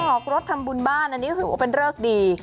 ออกรถทำบุญบ้านอันนี้ก็ถือว่าเป็นเริกดี